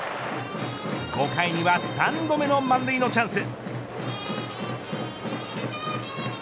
５回には３度目の満塁のチャンス。